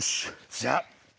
じゃあ。